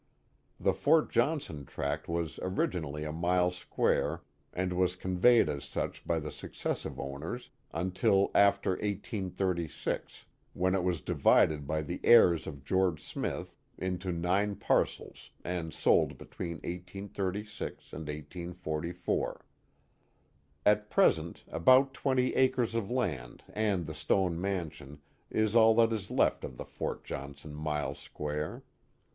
The Fort Johnson tract was originally a mile square and was conveyed as such by the successive owners until after 1836, when it was divided by the heirs of George Smith into nine parcels and sold between 1836 and 1844. At present about twenty acres of land and the stone man sion is all that is left of the Fort Johnson mile square.